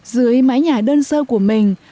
dưới mái nhà đơn sơ của mình